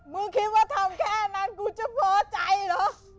คิดว่าทำแค่นั้นกูจะพอใจเหรอ